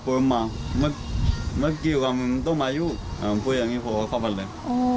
พูดอย่างนี้พวกเขาก็เข้าไปเลย